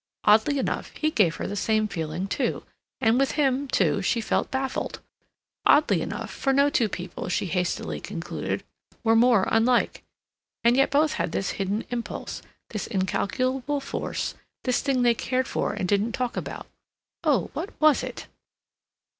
Oddly enough, he gave her the same feeling, too, and with him, too, she felt baffled. Oddly enough, for no two people, she hastily concluded, were more unlike. And yet both had this hidden impulse, this incalculable force—this thing they cared for and didn't talk about—oh, what was it?